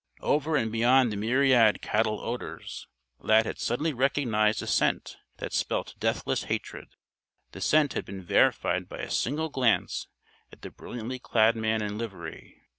Over and beyond the myriad cattle odors, Lad had suddenly recognized a scent that spelt deathless hatred. The scent had been verified by a single glance at the brilliantly clad man in livery.